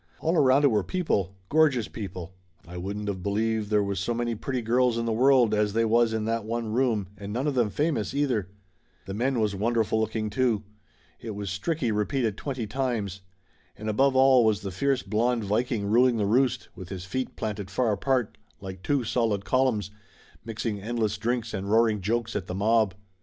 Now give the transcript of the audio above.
All around it were people, gorgeous people. I wouldn't of believed there was so many pretty girls in the world as they was in that one room, and none of them famous, either. The men was wonderful looking too. Laughter Limited 95 It was Stricky repeated twenty times. And above all was the fierce blond viking ruling the roost, with his feet planted far apart like two solid columns, mixing endless drinks and roaring jokes at the mob.